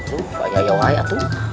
tuh banyak yang wahaya tuh